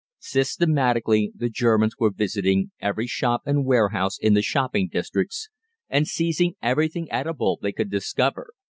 Systematically, the Germans were visiting every shop and warehouse in the shopping districts, and seizing everything eatable they could discover.